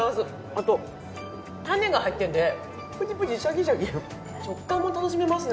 あと種が入ってるんでプチプチシャキシャキ食感も楽しめますね。